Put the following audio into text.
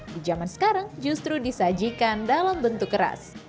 di zaman sekarang justru disajikan dalam bentuk keras